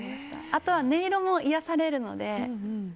あとは音色も癒やされるので。